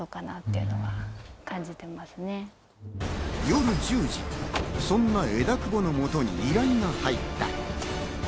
夜１０時、そんな枝久保のもとに依頼が入った。